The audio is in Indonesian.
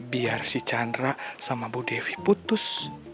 biar si chandra sama bu devi putus